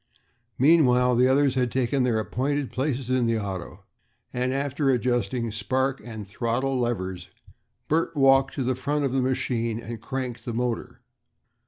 Meanwhile the others had taken their appointed places in the auto, and, after adjusting spark and throttle levers, Bert walked to the front of the machine and cranked the motor.